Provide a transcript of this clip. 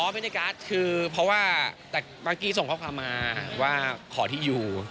บรรยากาศคือเพราะว่าแต่เมื่อกี้ส่งข้อความมาว่าขอที่อยู่